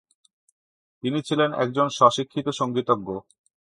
তিনি ছিলেন একজন স্ব-শিক্ষিত সঙ্গীতজ্ঞ।